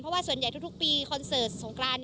เพราะว่าส่วนใหญ่ทุกปีคอนเสิร์ตสงกราน